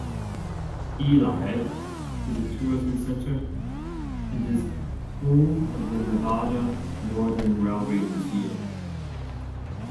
Ely is a tourism center, and is home of the Nevada Northern Railway Museum.